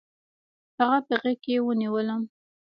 هغه په غېږ کې ونیولم.